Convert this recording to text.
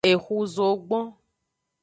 Exu zogbon.